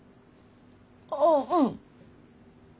ああうん。